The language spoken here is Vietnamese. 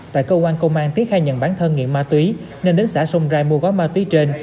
tại cơ quan công an tiến khai nhận bản thân nghiện ma túy nên đến xã sông rai mua gói ma túy trên